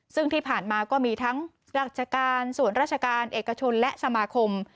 ซึ่งที่ผ่านมาก็มีทั้งราชการส่วนราชการเอกชนและสมาคม